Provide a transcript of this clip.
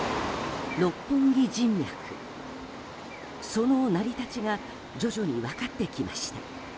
その成り立ちが徐々に分かってきました。